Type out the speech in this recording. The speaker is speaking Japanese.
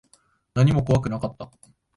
何も怖くなかった。